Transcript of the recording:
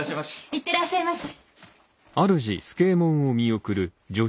行ってらっしゃいませ。